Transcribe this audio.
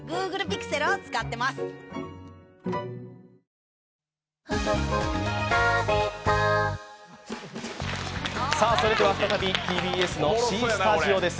三菱電機それでは再びＴＢＳのＣスタジオです。